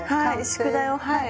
宿題をはい。